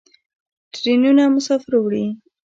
ټرینونه مسافر وړي.